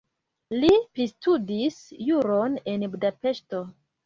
Li pristudis juron en Budapeŝto.